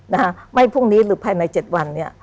นะฮะไม่พรุ่งนี้หรือภายในเจ็ดวันเนี่ย